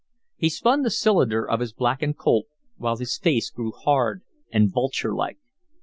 He spun the cylinder of his blackened Colt, while his face grew hard and vulture like.